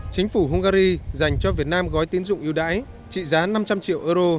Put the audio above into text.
chính phủ hungary dành cho việt nam gói tiến dụng yêu đáy trị giá năm trăm linh triệu euro